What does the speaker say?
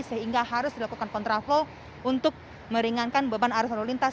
sehingga harus dilakukan kontraflow untuk meringankan beban arus lalu lintas